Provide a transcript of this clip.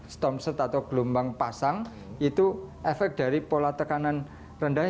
storm surge atau gelombang pasang itu efek dari pola tekanan rendah